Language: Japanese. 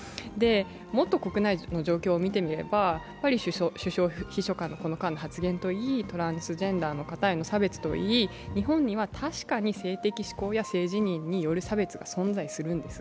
もっと国内の状況をみてみると首相秘書官のこの間の発言といい、トランスジェンダーへの発言といい日本には確かに性的指向や性自認に対する差別が存在するんです。